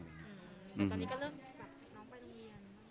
ตอนนี้ก็เริ่มไปโรงเรียน